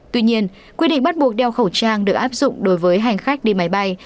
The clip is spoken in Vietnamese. tuy nhiên quy định bắt buộc đeo khẩu trang được áp dụng đối với hành khách đi máy bay